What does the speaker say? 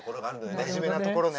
真面目なところね。